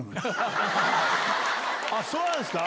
あっそうなんですか？